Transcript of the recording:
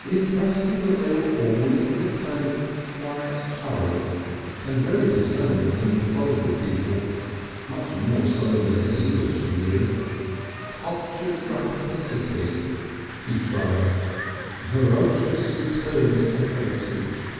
It impressed him that they were always in a kind of quiet hurry, and very determined and methodical people, much more so than any English he knew. "Cultured Rapacicity," he tried. "Vorocious Return to the Heritage."